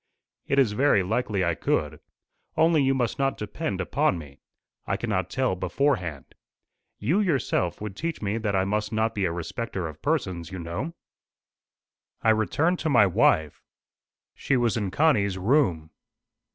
"It is very likely I could. Only you must not depend upon me. I cannot tell beforehand. You yourself would teach me that I must not be a respecter of persons, you know." I returned to my wife. She was in Connie's room.